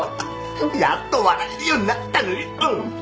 やっと笑えるようになったのよ！